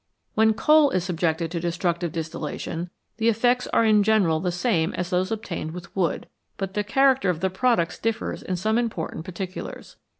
When coal is subjected to destructive distillation the effects are in general the same as those obtained with 144 MORE ABOUT FUEL wood, but the character of the products differs in some important particulars.